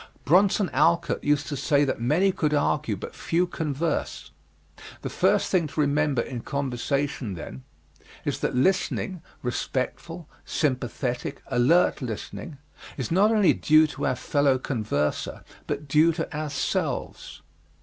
Bronson Alcott used to say that many could argue, but few converse. The first thing to remember in conversation, then, is that listening respectful, sympathetic, alert listening is not only due to our fellow converser but due to ourselves.